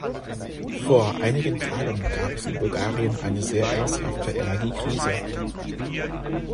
Vor einigen Tagen gab es in Bulgarien eine sehr ernsthafte Energiekrise.